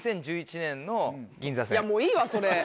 いやもういいわそれ。